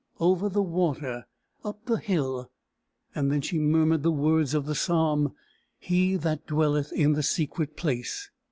Over the water. Up the hill." And then she murmured the words of the psalm: "He that dwelleth in the secret place."